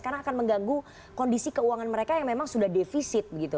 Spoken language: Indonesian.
karena akan mengganggu kondisi keuangan mereka yang memang sudah defisit